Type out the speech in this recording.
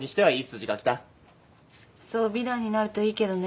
そう美談になるといいけどね。